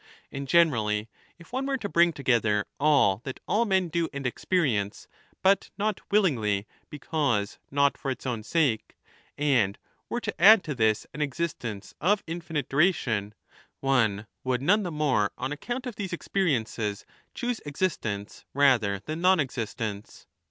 And generally, if one were to bring together all that all men do and experience but not willingly because not for its own sake, and were to add to this an existence of infinite duration, one would none the more on account of these experiences choose existence rather than non existence.